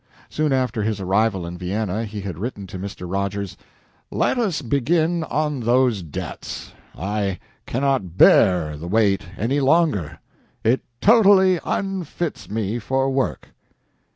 Soon after his arrival in Vienna he had written to Mr. Rogers: "Let us begin on those debts. I cannot bear the weight any longer. It totally unfits me for work."